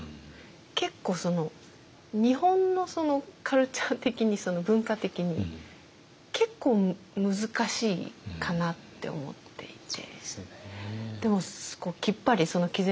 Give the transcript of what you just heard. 結構日本のカルチャー的に文化的に結構難しいかなって思っていて。